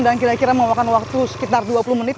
dan kira kira mengeluarkan waktu sekitar dua puluh menit